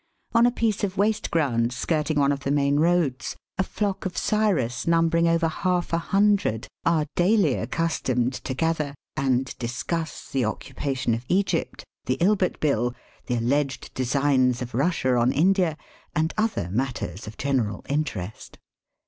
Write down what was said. On a piece of waste ground skirting one of the main roads a flock of sirus, numbering over half a hundred, are daily accustomed to gather and discuss the occupation of Egypt, the Ilbert Bill, the alleged designs of Eussia on India, and other matters of general interest.